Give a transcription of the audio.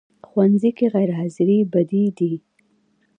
ښوونځی کې غیر حاضرې بدې دي